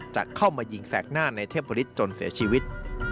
จะเข้ามายิงแสกหน้าในเทพบริษจนเสียชีวิต